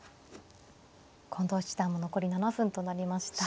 近藤七段も残り７分となりました。